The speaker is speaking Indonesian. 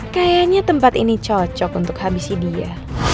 kayaknya tempat ini cocok untuk habisi dia